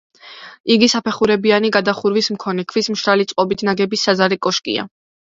იგი საფეხურებიანი გადახურვის მქონე, ქვის მშრალი წყობით ნაგები საზარე კოშკია.